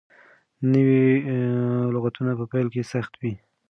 نوي لغتونه په پيل کې سخت وي.